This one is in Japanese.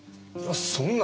そんな。